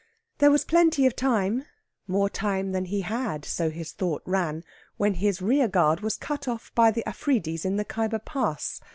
There was plenty of time more time than he had (so his thought ran) when his rear guard was cut off by the Afridis in the Khyber Pass.